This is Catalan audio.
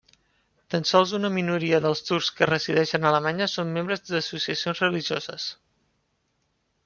Tan sols una minoria dels turcs que resideixen a Alemanya són membres d'associacions religioses.